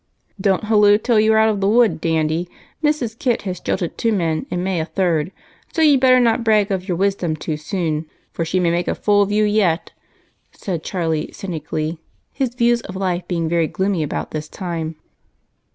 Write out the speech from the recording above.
"Don't halloo till you are out of the wood, Dandy Mrs. Kit has jilted two men, and may a third, so you'd better not brag of your wisdom too soon, for she may make a fool of you yet," said Charlie, cynically, his views of life being very gloomy about this time.